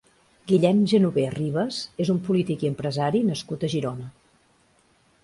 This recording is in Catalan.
Guillem Genover Ribas és un polític i empresari nascut a Girona.